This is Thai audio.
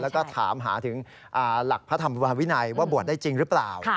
แล้วก็ถามหาถึงหลักพระธรรมวินัยว่าบวชได้จริงหรือเปล่า